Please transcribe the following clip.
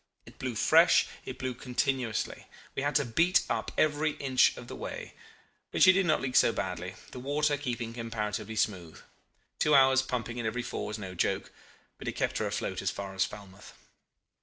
It blew fresh, it blew continuously. We had to beat up every inch of the way, but she did not leak so badly, the water keeping comparatively smooth. Two hours' pumping in every four is no joke but it kept her afloat as far as Falmouth.